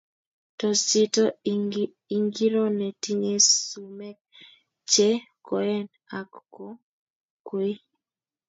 Tos chito ingiro ne tinyei sumek che koen ak ko koi